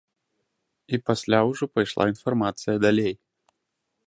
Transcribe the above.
І пасля ўжо пайшла інфармацыя далей.